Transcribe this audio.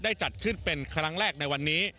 จัดขึ้นเป็นครั้งแรกในวันนี้